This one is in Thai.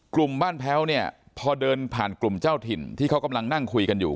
กลุ่มบ้านแพ้วเนี่ยพอเดินผ่านกลุ่มเจ้าถิ่นที่เขากำลังนั่งคุยกันอยู่